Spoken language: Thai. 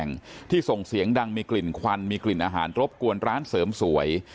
ร้านขายข้าวกแกงที่ส่งเสียงดังมีกลิ่นควันมีกลิ่นอาหารรบกวนร้านเสริมสวย